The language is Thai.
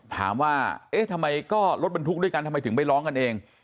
ถามว่าเอ๊ะทำไมก็รถบรรทุกด้วยกันทำไมถึงไปร้องกันเอง